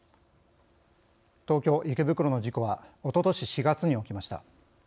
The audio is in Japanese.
東京・池袋の事故はおととし４月に起きました。